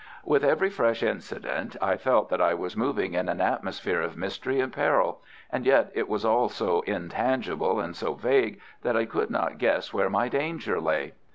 With every fresh incident I felt that I was moving in an atmosphere of mystery and peril, and yet it was all so intangible and so vague that I could not guess where my danger lay.